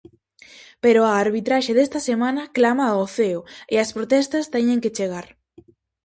Pero a arbitraxe desta semana clama ao ceo, e as protestas teñen que chegar.